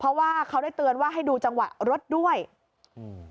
เพราะว่าเขาได้เตือนว่าให้ดูจังหวะรถด้วยอืม